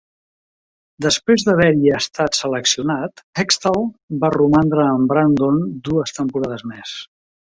Després d'haver-hi estat seleccionat, Hextall va romandre amb Brandon dues temporades més.